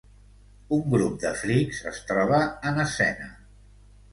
Un grup de freaks es troba en escena.